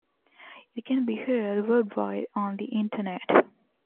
It can be heard worldwide on the internet.